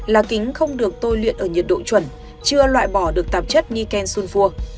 là kính không được tôi luyện ở nhiệt độ chuẩn chưa loại bỏ được tạp chất niken sunfur